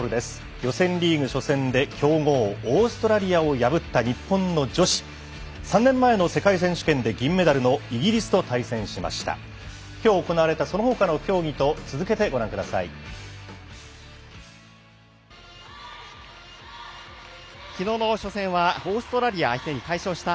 予選リーグ初戦で強豪オーストラリアを破った日本の女子３年前の世界選手権で銀メダルのイギリスと対戦しました。